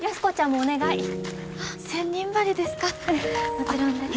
もちろんです。